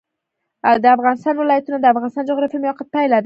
د افغانستان ولايتونه د افغانستان د جغرافیایي موقیعت پایله ده.